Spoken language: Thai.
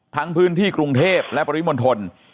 พื้นที่กรุงเทพและปริมณฑล